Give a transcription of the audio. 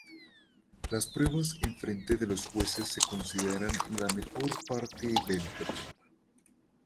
Las pruebas en frente de los jueces se consideran la mejor parte del programa.